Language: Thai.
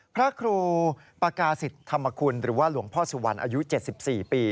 พระครูปากาศิษย์ธรรมคุณหรือว่าหลวงพ่อสุวรรณอายุ๗๔ปี